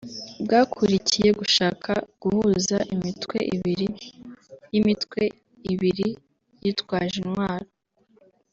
bwakurikiye gushaka guhuza imitwe ibiri y’iimitwe ibiri yitwaje intwaro”